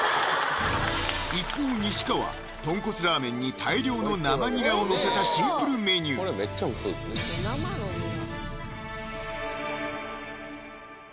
一方仁支川とんこつラーメンに大量の生ニラをのせたシンプルメニューあれあれ？